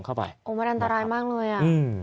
เข้าไปโอ้มันอันตรายมากเลยอ่ะ